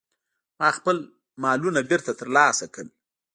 ما خپل مالونه بیرته ترلاسه کړل.